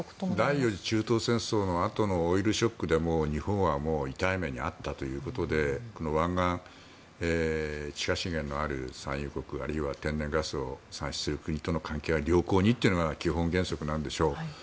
第４次中東戦争のあとのオイルショックで日本は痛い目に遭ったということで湾岸地下資源のある産油国あるいは天然ガスを産出する国との関係は良好にっていうのが基本原則なんでしょう。